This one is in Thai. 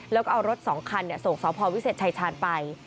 แล้วก็เอารถสองคันเนี่ยส่งสองพรวิเศษชายชานไป